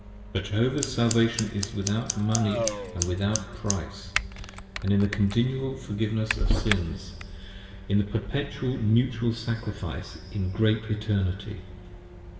But Jehovah's Salvation Is without Money & without Price, in the Continual Forgiveness of Sins, In the Perpetual Mutual Sacrifice in Great Eternity!